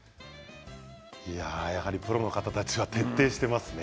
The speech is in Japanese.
プロの方たちは徹底していますね。